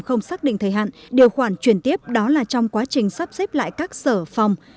không xác định thời hạn điều khoản chuyển tiếp đó là trong quá trình sắp xếp lại các sở phòng